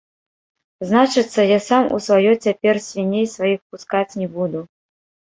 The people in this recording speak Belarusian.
Значыцца, я сам у сваё цяпер свіней сваіх пускаць не буду.